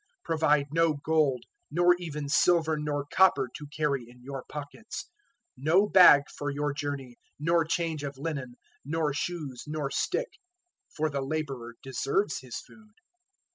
010:009 "Provide no gold, nor even silver nor copper to carry in your pockets; 010:010 no bag for your journey, nor change of linen, nor shoes, nor stick; for the labourer deserves his food.